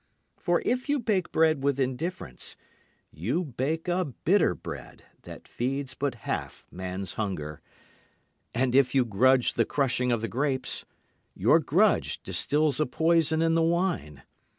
For if you bake bread with indifference, you bake a bitter bread that feeds but half man's hunger. And if you grudge the crushing of the grapes, your grudge distils a poison in the wine.